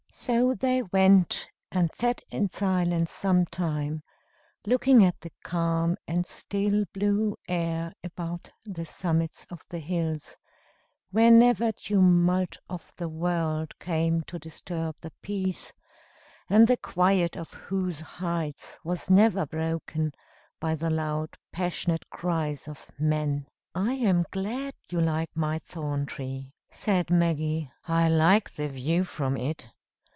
So they went, and sat in silence some time, looking at the calm and still blue air about the summits of the hills, where never tumult of the world came to disturb the peace, and the quiet of whose heights was never broken by the loud passionate cries of men. "I am glad you like my thorn tree," said Maggie. "I like the view from it.